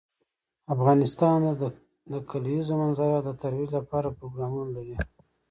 افغانستان د د کلیزو منظره د ترویج لپاره پروګرامونه لري.